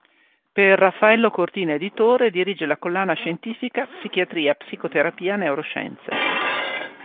Per Raffaello Cortina Editore dirige la collana scientifica "Psichiatria, Psicoterapia, Neuroscienze".